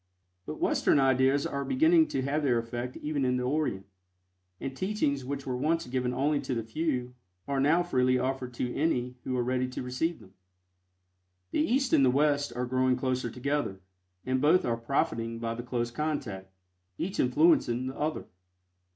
But Western ideas are beginning to have their effect even in the Orient, and teachings which were once given only to the few are now freely offered to any who are ready to receive them. The East and the West are growing closer together, and both are profiting by the close contact, each influencing the other.